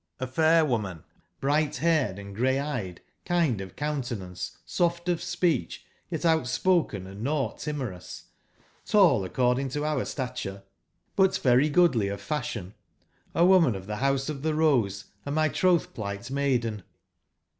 H fair woman, brigbt/haired and gray/eyed, kind of countenance, soft of speech, yet outspoken and nought timorous; tall accordingtoourstature, f 3 69 but very goodly of fashion ; a woman of tbc Rouse of tbc Rose, and my trotbpUgbt maiden ''ji?